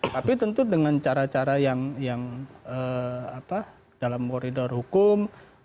tapi tentu dengan cara cara yang dalam koridor hukum